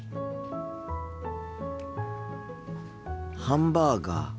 ハンバーガー。